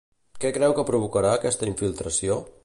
Què creu que provocarà aquesta infiltració?